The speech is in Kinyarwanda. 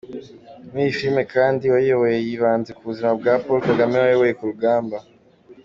Muri iyi filime kandi uwayiyoboye yibanze ku buzima bwa Paul Kagame wayoboye uru rugamba.